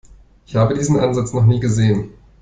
Ich habe diesen Ansatz noch nie gesehen.